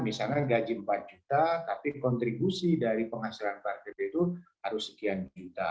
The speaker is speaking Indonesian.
misalnya gaji empat juta tapi kontribusi dari penghasilan parkir itu harus sekian juta